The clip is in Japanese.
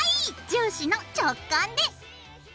重視の直感で。